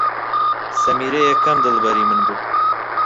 سەمیرە یەکەم دڵبەری من بوو.